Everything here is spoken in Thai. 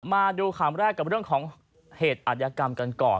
มาดูข่าวแรกกับเรื่องของเหตุอัธยกรรมกันก่อน